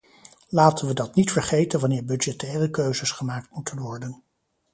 Laten we dat niet vergeten wanneer budgettaire keuzes gemaakt moeten worden.